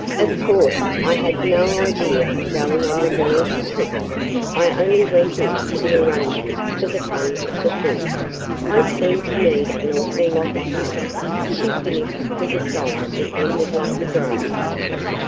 "Of course I had no idea of going on the girls' trip. I only went in for the arrangements for the fun of the thing. I seem to need an awful lot of fun," she finished with a sigh that ended like a groan.